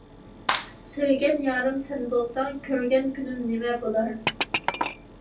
سۆيگەن يارىم سەن بولساڭ، كۆرگەن كۈنۈم نىمە بولار.